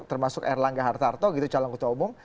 termasuk erlangga hartarto gitu calon ketua umum